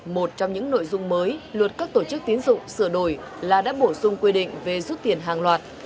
một trong những nội dung mới luật các tổ chức tiến dụng sửa đổi là đã bổ sung quy định về rút tiền hàng loạt